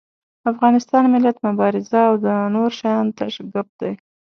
افغانستان، ملت، مبارزه او دا نور شيان تش ګپ دي.